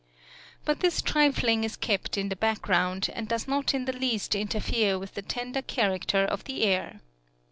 But this trifling is kept in the background, and does not in the least interfere with the tender character of the air.